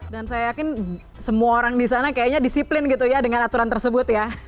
dan saya yakin semua orang di sana kayaknya disiplin gitu ya dengan aturan tersebut ya